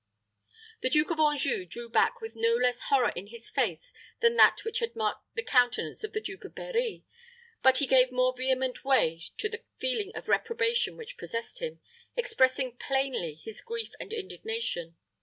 The Duke of Anjou drew back with no less horror in his face than that which had marked the countenance of the Duke of Berri; but he gave more vehement way to the feeling of reprobation which possessed him, expressing plainly his grief and indignation.